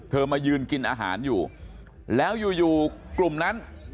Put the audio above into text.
มายืนกินอาหารอยู่แล้วอยู่อยู่กลุ่มนั้น